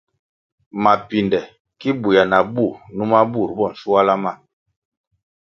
Mapinde ki buéah na bú numa bur bo nschuala ma.